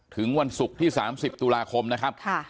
ถึงวันศุกร์ที่๓๐ตุลาคมนะครับ